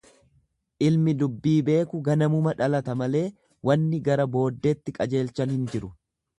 Ilmi dubbi beeku ganamuma dhalata malee wanni gara booddeetti qajeelchan hin jiru.